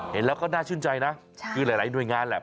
เห็นแล้วก็น่าชื่นใจนะคือหลายหน่วยงานแหละ